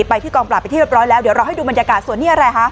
ไปที่กองปราบไปที่เรียบร้อยแล้วเดี๋ยวเราให้ดูบรรยากาศส่วนนี้อะไรคะ